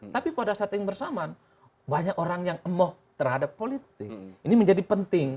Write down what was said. tapi pada saat yang bersamaan banyak orang yang emoh terhadap politik ini menjadi penting